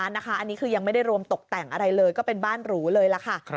อันนี้คือยังไม่ได้รวมตกแต่งอะไรเลยก็เป็นบ้านหรูเลยล่ะค่ะ